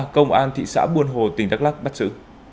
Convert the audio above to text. công an thị xã buôn hồ tỉnh đắk lắc bắt giữ